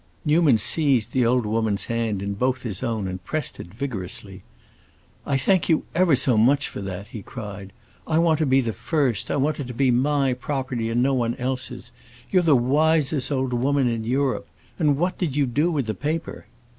Newman seized the old woman's hand in both his own and pressed it vigorously. "I thank you ever so much for that," he cried. "I want to be the first, I want it to be my property and no one else's! You're the wisest old woman in Europe. And what did you do with the paper?"